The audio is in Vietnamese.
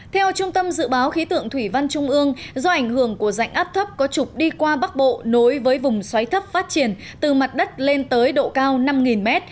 theo trung tâm dự báo khí tượng thủy văn trung ương do ảnh hưởng của dạnh áp thấp có trục đi qua bắc bộ nối với vùng xoáy thấp phát triển từ mặt đất lên tới độ cao năm m